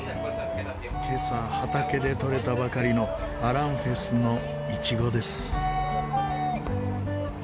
今朝畑でとれたばかりのアランフェスのイチゴです。